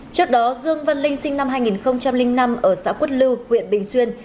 trước đó dương văn linh sinh năm hai nghìn năm ở xã quất lưu huyện bình xuyên